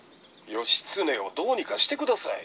「義経をどうにかして下さい。